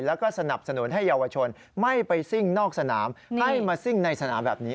แล้วก็สนับสนุนให้เยาวชนไม่ไปซิ่งนอกสนามให้มาซิ่งในสนามแบบนี้